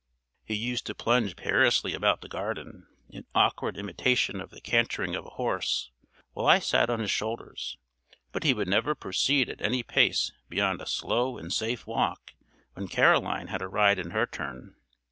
He used to plunge perilously about the garden, in awkward imitation of the cantering of a horse, while I sat on his shoulders; but he would never proceed at any pace beyond a slow and safe walk when Caroline had a ride in her turn.